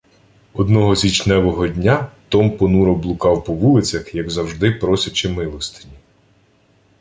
Одного січневого дня Том понуро блукав по вулицях, як завжди просячи милостині.